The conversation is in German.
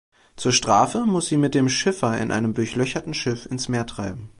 Zur Strafe muss sie mit dem Schiffer in einem durchlöcherten Schiff ins Meer treiben.